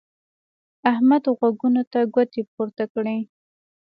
احمد غوږو ته ګوتې پورته کړې.